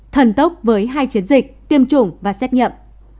thần tốc với hai chiến dịch tiêm chủng và xét nghiệm